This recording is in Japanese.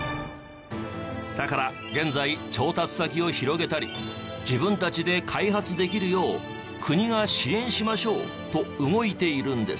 だから現在調達先を広げたり自分たちで開発できるよう国が支援しましょうと動いているんです。